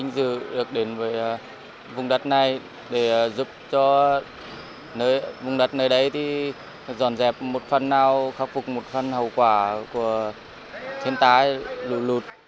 giúp cho vùng đất nơi đây dọn dẹp một phần nào khắc phục một phần hậu quả của thiên tái lụt lụt